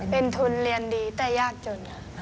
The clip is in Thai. เป็นทุนเรียนดีแต่ยากจนค่ะ